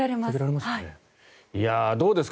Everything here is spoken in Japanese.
どうですか？